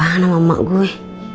tahan sama emak gue